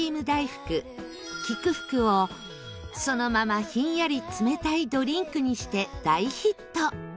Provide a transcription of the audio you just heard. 福をそのままひんやり冷たいドリンクにして大ヒット